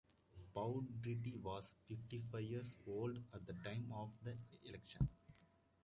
Poudrette was fifty-five years old at the time of the election.